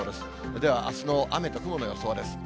ではあすの雨と雲の様子です。